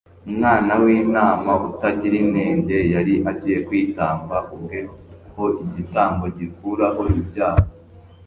Umwana w'intama utagira inenge yari agiye kwitamba ubwe ho igitambo gikuraho ibyaha;